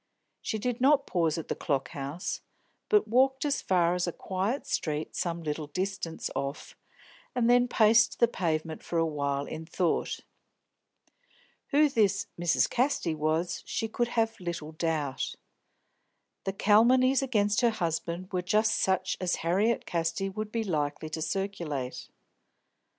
She did not pause at the Clock House, but walked as far as a quiet street some little distance off, and then paced the pavement for a while, in thought. Who this "Mrs. Casty" was she could have little doubt. The calumnies against her husband were just such as Harriet Casti would be likely to circulate.